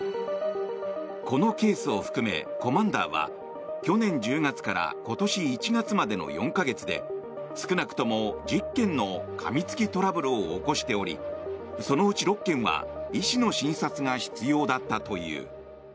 このケースを含めコマンダーは去年１０月から今年１月までの４か月で少なくとも１０件のかみつきトラブルを起こしておりそのうち６件は医師の診察が必要だったという。